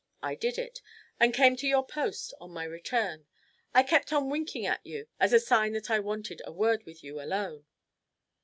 I did it, and came to your post in my return. I kept on winking at you as a sign that I wanted a word with you alone."